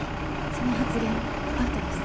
その発言アウトです。